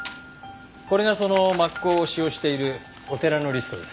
これがその抹香を使用しているお寺のリストです。